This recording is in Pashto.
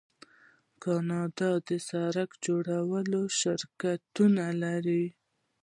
کاناډا د سړک جوړولو شرکتونه لري.